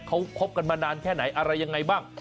เขาคบกันมานานแค่ไหนอะไรยังไงบ้าง